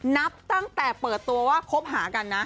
นับตั้งแต่เปิดตัวว่าคบหากันนะ